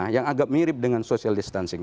yang agak mirip dengan social distancing